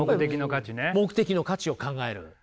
目的の価値を考える。